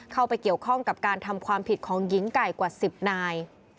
เข้าไปเกี่ยวข้องกับการทำความผิดของหญิงไก่กว่า๑๐นาย